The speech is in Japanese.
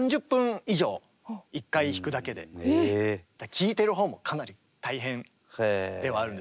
聴いてるほうもかなり大変ではあるんですけど。